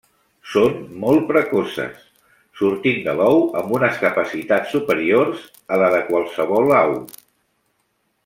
Són molt precoces, sortint de l'ou amb unes capacitats superiors a la de qualsevol au.